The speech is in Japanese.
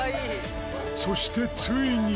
そしてついに。